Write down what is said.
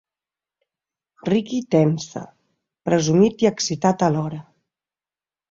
Riqui tensa, presumit i excitat alhora.